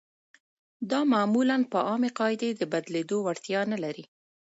دا معمولاً په عامې قاعدې د بدلېدو وړتیا نلري.